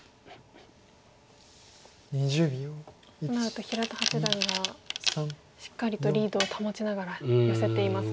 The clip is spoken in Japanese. となると平田八段がしっかりとリードを保ちながらヨセていますか。